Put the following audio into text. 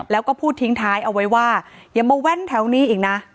แล้วก็พูดทิ้งท้ายเอาไว้ว่าอย่ามาแว่นแถวนี้อีกนะ